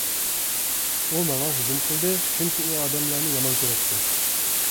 ئۇ ماڭا ھۇجۇم قىلدى، چۈنكى ئۇ ئادەملەرنى يامان كۆرەتتى.